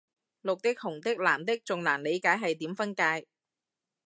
綠的紅的藍的仲難理解係點分界